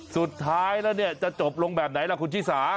สุดท้ายแล้วเนี่ยจะจบลงแบบไหนล่ะคุณชิสา